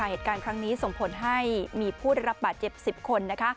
เหตุการณ์ครั้งนี้ส่งผลให้มีผู้ได้รับบาดเจ็บ๑๐คน